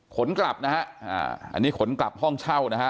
กลับนะฮะอันนี้ขนกลับห้องเช่านะฮะ